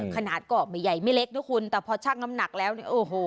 ขนาดกรอบไม่ใหญ่ไม่เล็กนะคุณแต่พอช่างน้ำหนักแล้วโอ้โห